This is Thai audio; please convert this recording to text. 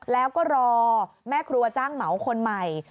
แล้วก็รอแม่ครัวจ้างเหมาคนใหม่